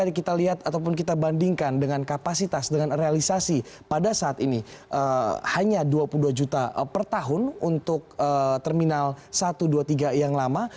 karena ternyata jika kita lihat ataupun kita bandingkan dengan kapasitas dengan realisasi pada saat ini hanya dua puluh dua juta per tahun untuk terminal satu ratus dua puluh tiga yang lama